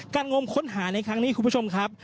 งมค้นหาในครั้งนี้คุณผู้ชมครับ